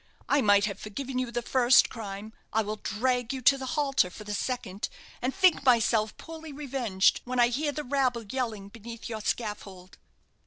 I might have forgiven you the first crime I will drag you to the halter for the second, and think myself poorly revenged when I hear the rabble yelling beneath your scaffold!"